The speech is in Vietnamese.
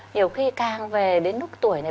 nhiều khi càng về đến lúc tuổi này